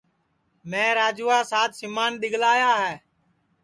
میں راجوا سات سمان دؔیگلایا ہے